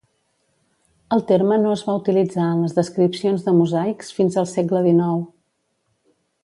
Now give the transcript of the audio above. El terme no es va utilitzar en les descripcions de mosaics fins al segle XIX.